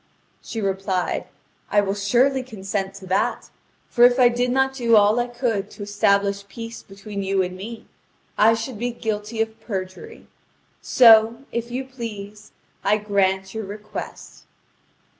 She replied: "I will surely consent to that; for if I did not do all I could to establish peace between you and me, I should be guilty of perjury. So, if you please, I grant your request."